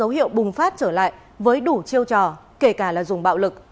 và có dấu hiệu bùng phát trở lại với đủ chiêu trò kể cả là dùng bạo lực